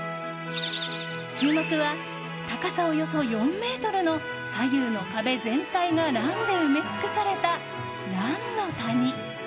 注目は、高さおよそ４ｍの左右の壁全体がランで埋め尽くされた、らんの谷。